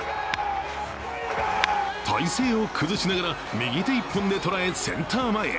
体勢を崩しながら右手１本で捉えセンター前へ。